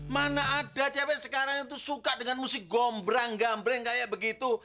mana ada cewek sekarang itu suka dengan musik gombrang gambreng kayak begitu